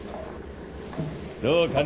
どうかね